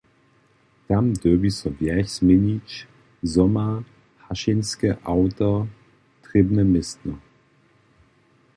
Tam dyrbi so wjerch změnić, zo ma hašenske awto trěbne městno.